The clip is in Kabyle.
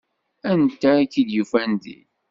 Anta i k-id-yufan din?